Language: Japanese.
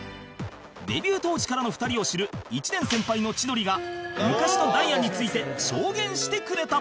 デビュー同時からの２人を知る１年先輩の千鳥が昔のダイアンについて証言してくれた